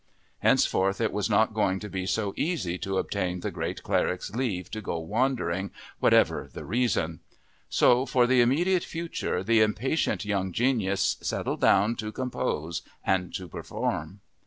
Henceforth it was not going to be so easy to obtain the great cleric's leave to go wandering, whatever the reason. So for the immediate future the impatient young genius settled down to compose and to perform.